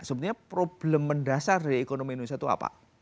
sebenarnya problem mendasar dari ekonomi indonesia itu apa